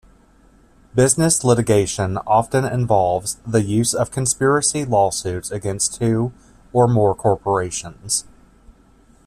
Business litigation often involves the use of conspiracy lawsuits against two or more corporations.